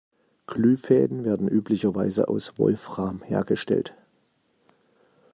Glühfäden werden üblicherweise aus Wolfram hergestellt.